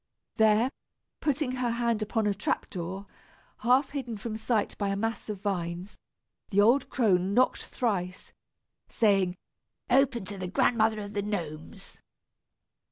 There, putting her hand upon a trap door, half hidden from sight by a mass of vines, the old crone knocked thrice, saying, "Open to the Grandmother of the Gnomes!"